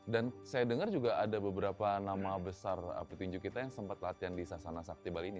dan saya dengar juga ada beberapa nama besar petinju kita yang sempat latihan di sasana sakti bali ini